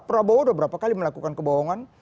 prabowo udah berapa kali melakukan kebohongan